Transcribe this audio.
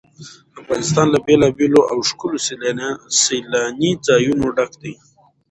افغانستان له بېلابېلو او ښکلو سیلاني ځایونو ډک دی.